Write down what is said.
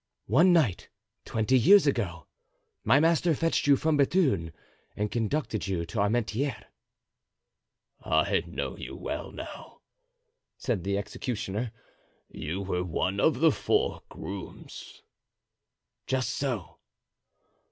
"One night, twenty years ago, my master fetched you from Bethune and conducted you to Armentieres." "I know you well now," said the executioner; "you were one of the four grooms." "Just so."